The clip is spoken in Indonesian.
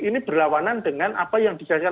ini berlawanan dengan apa yang dijadikan